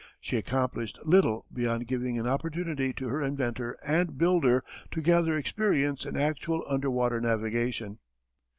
She accomplished little beyond giving an opportunity to her inventor and builder to gather experience in actual underwater navigation.